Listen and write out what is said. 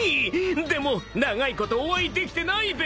でも長いことお会いできてないべ。